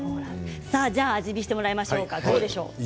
じゃあ味見してもらいましょうか。